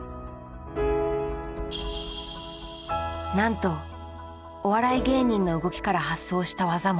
なんとお笑い芸人の動きから発想した技も。